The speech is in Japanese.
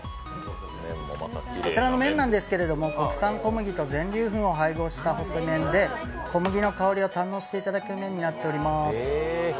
こちらの麺なんですけど国産小麦と全粒粉を配合した細麺で小麦の香りを堪能していただく麺になっております。